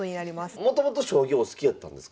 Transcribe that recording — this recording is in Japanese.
もともと将棋お好きやったんですか？